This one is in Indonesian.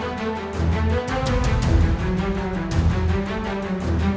hamba terasa sakit